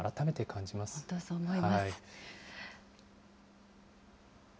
本当、そう思います。